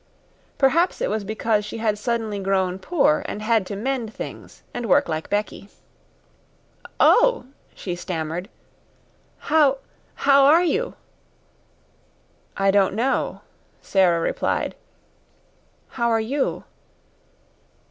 Perhaps it was because she had suddenly grown poor and had to mend things and work like Becky. "Oh," she stammered. "How how are you?" "I don't know," Sara replied. "How are you?"